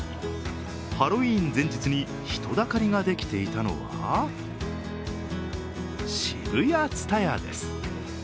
ハロウィーン前日に人だかりができていたのはＳＨＩＢＵＹＡＴＳＵＴＡＹＡです。